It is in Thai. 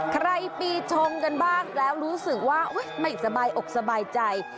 ปีชงกันบ้างแล้วรู้สึกว่าไม่สบายอกสบายใจ